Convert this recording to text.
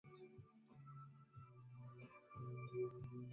kupatikana ndani ya ngozi na mapafu yaliyoathirika